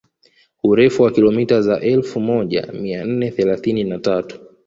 Urefu wa kilomita za elfu moja mia nne thelathini na tatu